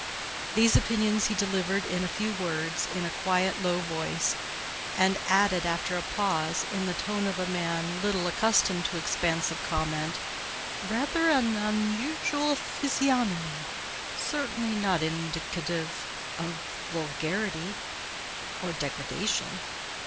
These opinions he delivered in a few words, in a quiet, low voice; and added, after a pause, in the tone of a man little accustomed to expansive comment, "Rather an unusual physiognomy; certainly, not indicative of vulgarity or degradation."